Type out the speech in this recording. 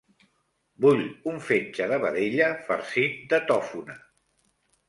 Vull un fetge de vedella farcit de tòfona.